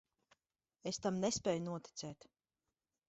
Es tam nespēju noticēt.